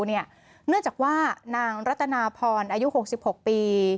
เนื่องจากว่านางรัตนาพรอายุ๖๖ปี